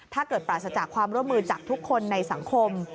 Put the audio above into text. ปราศจากความร่วมมือจากทุกคนในสังคม